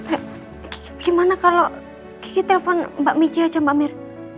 eh gigi gimana kalau gigi telepon mbak mici aja mbak mir